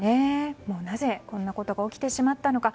なぜ、こんなことが起きてしまったのか。